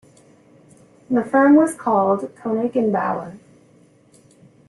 The firm was called Koenig and Bauer.